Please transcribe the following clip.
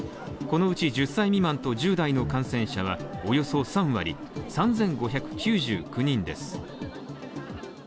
このうち１０歳未満と１０代の感染者はおよそ３割、３５９９人です。